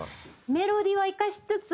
メロディーは生かしつつ。